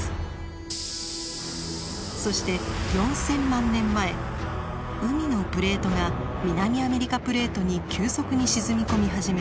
そして４，０００万年前海のプレートが南アメリカプレートに急速に沈み込み始めます。